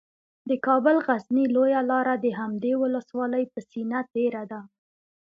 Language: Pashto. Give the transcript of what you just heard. د کابل غزني لویه لاره د همدې ولسوالۍ په سینه تیره ده